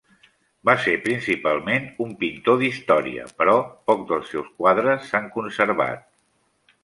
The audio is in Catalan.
Va ser principalment un pintor d'història però poc dels seus quadres s'han conservat.